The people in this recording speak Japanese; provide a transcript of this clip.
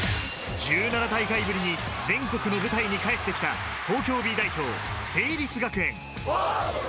１７大会ぶりに全国の舞台に帰ってきた、東京Ｂ代表・成立学園。